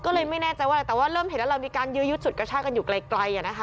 ก็เลยไม่แน่ใจว่าแหละแต่เริ่มเห็นเรายังมียื้อยึดสุดกระชากันอยู่ไกลอย่างน้ะคะ